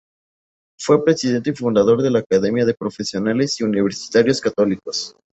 Fue Presidente y fundador de la Academia de Profesionales y Universitarios Católicos.